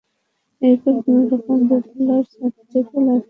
এরপর কোনোরকমে দোতলার ছাদ থেকে লাফিয়ে বের হয়ে আসতে সক্ষম হন।